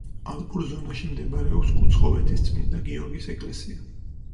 ალპურ ზონაში მდებარეობს კუცხოვეთის წმინდა გიორგის ეკლესია.